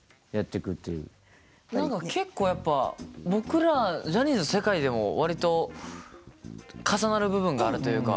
何か結構やっぱ僕らジャニーズの世界でも割と重なる部分があるというか。